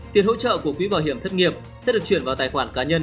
tiền hỗ trợ của quỹ bảo hiểm thất nghiệp sẽ được chuyển vào tài khoản cá nhân